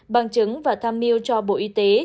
bằng chứng và tham miêu cho bộ y tế